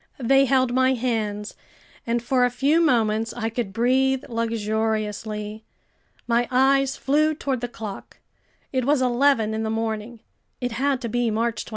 They held my hands, and for a few moments I could breathe luxuriously. My eyes flew toward the clock. It was eleven in the morning. It had to be March 28.